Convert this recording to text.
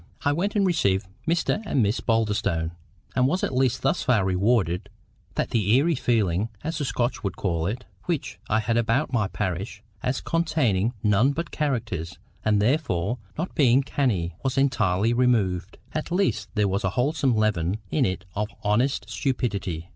I went and received Mr and Miss Boulderstone, and was at least thus far rewarded—that the EERIE feeling, as the Scotch would call it, which I had about my parish, as containing none but CHARACTERS, and therefore not being CANNIE, was entirely removed. At least there was a wholesome leaven in it of honest stupidity.